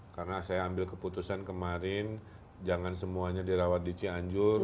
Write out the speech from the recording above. karena saya ambil keputusan kemarin jangan semuanya dirawat di cianjur